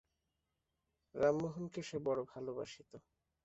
রামমোহনকে সে বড়ো ভালোবাসিত।